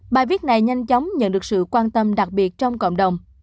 bài viết này nhanh chóng nhận được sự quan tâm đặc biệt trong cộng đồng